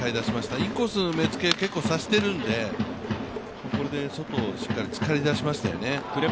インコースの目付け、結構させているんで、それで外をしっかり使いだしましたよね。